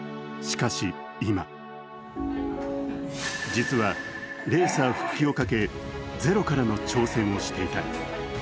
しかし今、実はレーサー復帰をかけゼロからの挑戦をしていた。